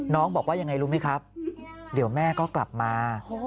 บอกว่ายังไงรู้ไหมครับเดี๋ยวแม่ก็กลับมา